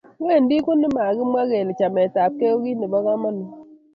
Wendi Kuni makimwa kele chametabgei ko kit nebo komonut